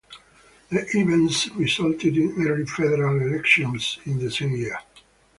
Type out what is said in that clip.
The events resulted in early federal elections in the same year.